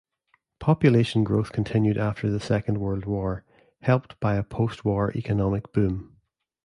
Population growth continued after the Second World War, helped by a post-war economic boom.